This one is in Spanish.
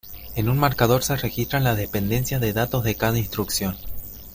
En un marcador se registran las dependencias de datos de cada instrucción.